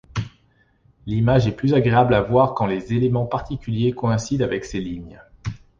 L’image est plus agréable à voir quand les éléments particuliers coïncident avec ces lignes.